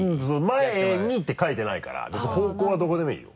「前に」って書いてないから別に方向はどこでもいいよ。